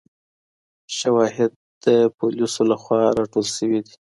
شواهد د پولیسو لخوا راټول سوي دي.